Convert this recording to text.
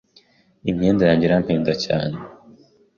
Imyenda yanjye irampenda cyane